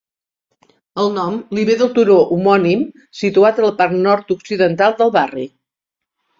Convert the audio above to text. El nom li ve del turó homònim, situat a la part nord-occidental del barri.